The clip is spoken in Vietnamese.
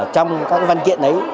trong các văn kiện ấy